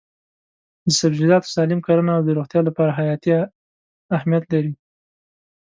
د سبزیجاتو سالم کرنه د روغتیا لپاره حیاتي اهمیت لري.